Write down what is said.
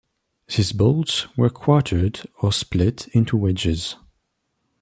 These bolts were quartered or split into wedges.